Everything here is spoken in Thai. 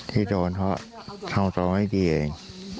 ที่โดนเพราะทำตัวไม่ดีเอง